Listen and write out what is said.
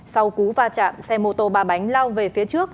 sau cú va chạm xe mô tô ba bánh lao về phía trước